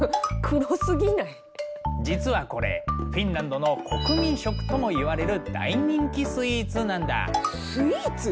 実はこれフィンランドの国民食ともいわれる大人気スイーツなんだ。